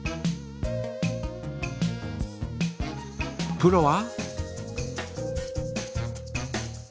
プロは？